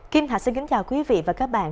kim thạch xin kính chào quý vị và các bạn